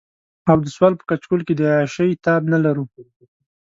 او د سوال په کچکول کې د عياشۍ تاب نه لرو.